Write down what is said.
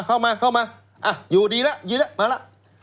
โอ้อยู่ดีละมาละ